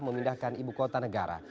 memindahkan ibu kota negara